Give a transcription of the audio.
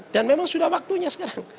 dan memang sudah waktunya sekarang